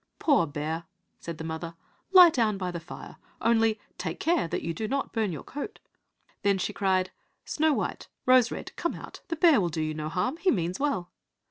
"Poor bear," said the mother, "lie down by the fire, only take care that you do not burn your coat." Then she cried, "Snow white, Rose red, come out, the bear will do you no harm, he means well."